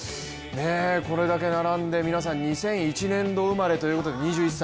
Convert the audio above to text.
これだけ並んで、皆さん２００１年度生まれということで２１歳。